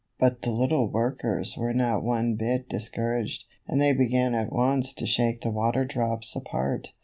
But the little workers were not one bit dis couraged, and they began at once to shake the water drops apart.